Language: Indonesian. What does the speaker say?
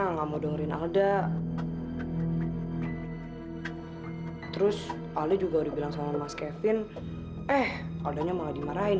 nggak mau dengerin alda terus alda juga udah bilang sama mas kevin eh aldanya malah dimarahin